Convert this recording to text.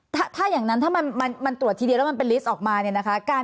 ถ้าอย่างนั้นถ้ามันตรวจทีเดียวแล้วมันเป็นลิสต์ออกมาเนี่ยนะคะ